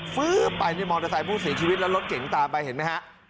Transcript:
ฟื้บไปนี่มอเตอร์ไซค์ผู้เสียชีวิตแล้วรถเก๋งตามไปเห็นไหมฮะ